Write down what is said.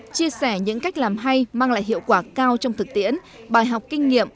chia sẻ những cách làm hay mang lại hiệu quả cao trong thực tiễn bài học kinh nghiệm